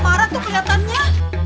mak marah tuh keliatannya